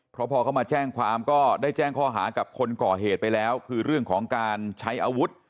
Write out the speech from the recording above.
เพราะพอเขามาแจ้งความก็ได้แจ้งข้อหากับคนก่อเหตุไปแล้วคือเรื่องของการใช้อาวุธ